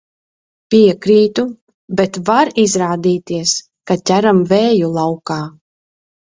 Piekrītu, bet var izrādīties, ka ķeram vēju laukā.